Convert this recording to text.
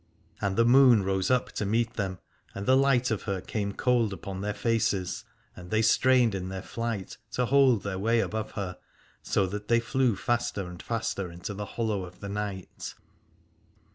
And the moon rose up to meet them, and the light of her came cold upon their faces, and they strained in their flight to hold their way above her, so that they flew faster and faster into the hollow of the night.